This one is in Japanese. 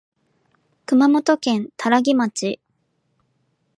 熊本県多良木町